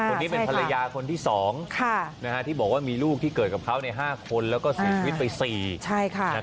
คนนี้เป็นภรรยาคนที่๒ที่บอกว่ามีลูกที่เกิดกับเขา๕คนแล้วก็เสียชีวิตไป๔